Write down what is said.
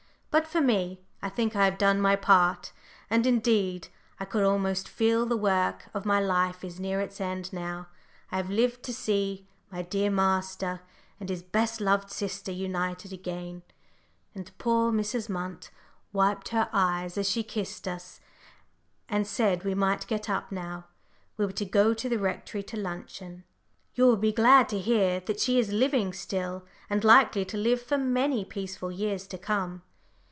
But for me, I think I have done my part; and, indeed, I could almost feel the work of my life is near its end now I have lived to see my dear master and his best loved sister united again," and poor Mrs. Munt wiped her eyes as she kissed us, and said we might get up now we were to go to the Rectory to luncheon. You will be glad to hear that she is living still, and likely to live for many peaceful years to come.